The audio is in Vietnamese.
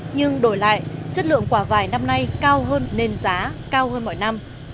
nhưng đổi lại chất lượng quả vải năm nay cao hơn nên giá cao hơn mỗi năm